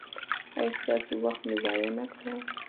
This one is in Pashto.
ایا ستاسو وخت مې ضایع نکړ؟